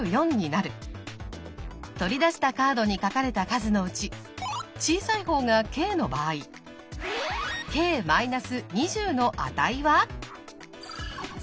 取り出したカードに書かれた数のうち小さい方がｋの場合ｋ−２０の値は？